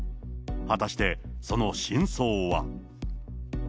果たしてその真相は。